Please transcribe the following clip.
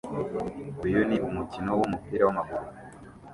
Uyu ni umukino wumupira wamaguru